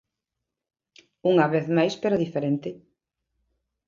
Unha vez máis, pero diferente.